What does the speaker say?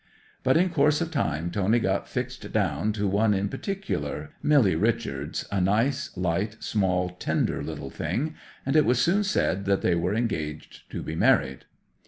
'But in course of time Tony got fixed down to one in particular, Milly Richards, a nice, light, small, tender little thing; and it was soon said that they were engaged to be married.